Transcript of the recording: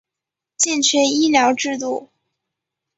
健全医疗制度